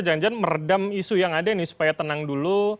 jangan jangan meredam isu yang ada ini supaya tenang dulu